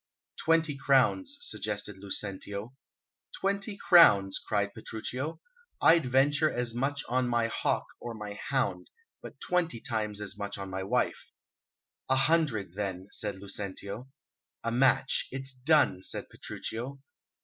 "Twenty crowns," suggested Lucentio. "Twenty crowns!" cried Petruchio. "I'd venture as much on my hawk or my hound, but twenty times as much on my wife." "A hundred, then," said Lucentio. "A match! It's done," said Petruchio.